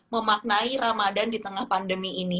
memaknai ramadan di tengah pandemi ini